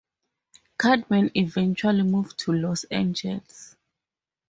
Cadman eventually moved to Los Angeles.